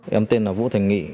em tên là vũ thảnh nghị